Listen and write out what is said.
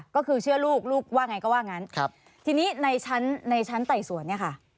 ก็คือเชื่อลูกลูกว่าไงก็ว่างั้นครับทีนี้ในชั้นในชั้นไต่สวนเนี่ยค่ะ